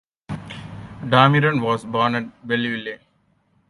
Damiron was born at Belleville.